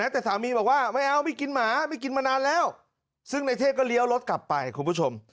แต่สามีบอกว่าไม่เอาไม่กินหมาไม่กินมานานแล้วซึ่งในเทพก็เลี้ยวรถกลับไปคุณผู้ชม